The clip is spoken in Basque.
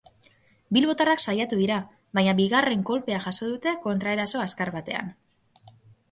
Bilbotarrak saiatu dira, baina bigarren kolpea jaso dute kontraeraso azkar batean.